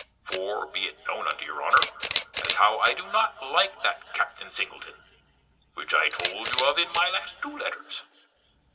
For, be it knone unto your Honner, as how I do not like that Captain Singleton, which I told you of in my last two letters.